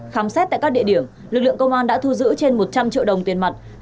khám xét tại các địa điểm lực lượng công an đã thu giữ trên một trăm linh triệu đồng tiền mặt